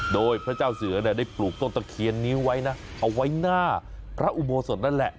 โดยพระเจ้าเสือเนี่ยได้ปลูกต้นตะเคียนนี้ไว้นะเอาไว้หน้าพระอุโบสถนั่นแหละ